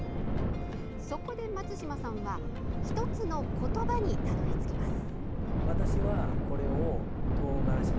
そこで松島さんは１つの言葉にたどり着きます。